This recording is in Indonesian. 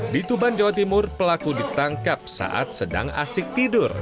di tuban jawa timur pelaku ditangkap saat sedang asik tidur